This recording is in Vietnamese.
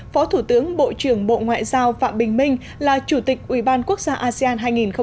phó thủ tướng bộ trưởng bộ ngoại giao phạm bình minh là chủ tịch ủy ban quốc gia asean hai nghìn hai mươi